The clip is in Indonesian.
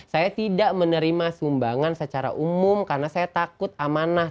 saya tidak menerima sumbangan secara umum karena saya takut amanah